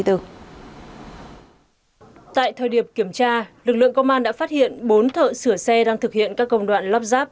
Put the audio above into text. tại thời điểm kiểm tra lực lượng công an đã phát hiện bốn thợ sửa xe đang thực hiện các công đoạn lắp ráp